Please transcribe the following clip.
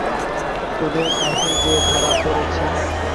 তোদের কাছে যে ধরা পড়েছি।